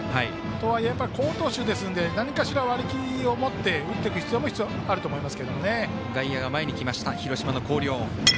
とはいえ好投手ですので何かしら割り切って打っていく必要もあると思います。